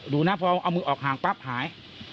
ดูนะพอเอามือออกห่างปั๊บหาย